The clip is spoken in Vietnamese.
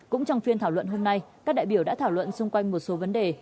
cũng trong phiên thảo luận hôm nay các đại biểu đã thảo luận xung quanh một số vấn đề